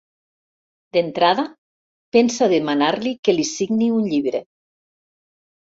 D'entrada, pensa demanar-li que li signi un llibre.